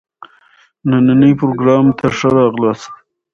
نني پروګرام ته ښه راغلاست.